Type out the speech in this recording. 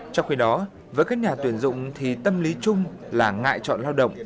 trong khi đó với các nhà tuyển dụng thì tâm lý chung là ngại chọn lao động